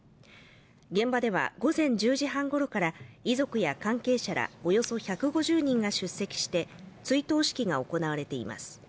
現場では午前１０時半ごろから遺族や関係者らおよそ１５０人が出席して追悼式が行われています。